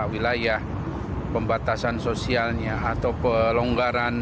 wilayah pembatasan sosialnya atau pelonggaran